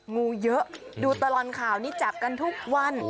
งูเยอะดูตลอดข่าวนี่จับกันทุกวัน